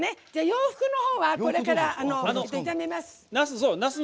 洋服のほうは、これから炒めます。